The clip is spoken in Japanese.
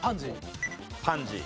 パンジー。